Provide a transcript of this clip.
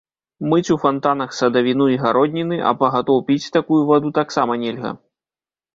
Мыць у фантанах садавіну і гародніны, а пагатоў піць такую ваду таксама нельга.